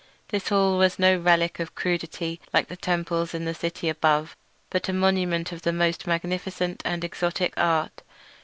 This hall was no relic of crudity like the temples in the city above, but a monument of the most magnificent and exotic art.